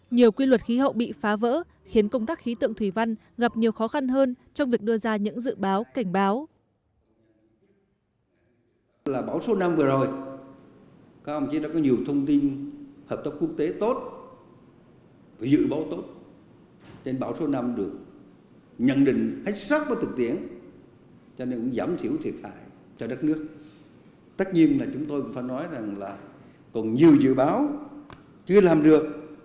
nhiều quy luật khí hậu bị phá vỡ khiến công tác khí tượng thủy văn gặp nhiều khó khăn hơn trong việc đưa ra những dự báo cảnh báo